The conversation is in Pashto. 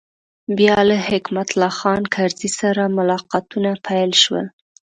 بیا له حکمت الله خان کرزي سره ملاقاتونه پیل شول.